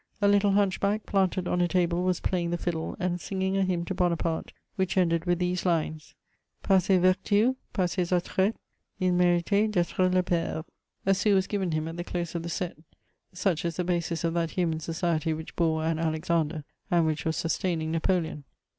A little hunch*back, phmted on a table, was playing the fiddle, and singing a hymn to Bonaparte, which ended with these lines: Par ses vertnes, par ses attraits, II meritait d'etre leur p^re! A sou wa3 given him at the close of the set. Such is the basis of that human society which bore an Alexander, and which was sustaining Napoleon.